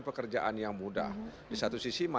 pekerjaan yang mudah di satu sisi